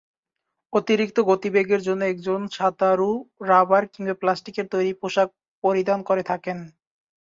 অতিরিক্ত গতিবেগের জন্য একজন সাঁতারু রাবার কিংবা প্লাস্টিকের তৈরী পোশাক পরিধান করে থাকেন।